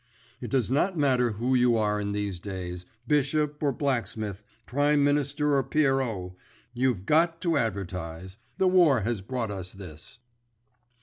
It does not matter who you are in these days—bishop or blacksmith, Prime Minister or pierrot—you've got to advertise—the war has brought us this!"